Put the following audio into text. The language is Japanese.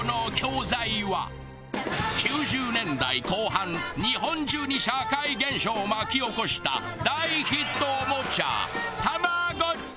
９０年代後半日本中に社会現象を巻き起こした大ヒットおもちゃたまごっち。